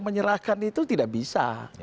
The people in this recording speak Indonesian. menyerahkan itu tidak bisa